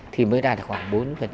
thì mới đạt khoảng bốn mươi